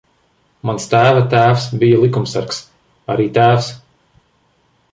Mans tēva tēvs bija likumsargs. Arī tēvs.